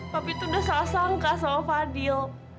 papi itu udah salah sangka sama fadil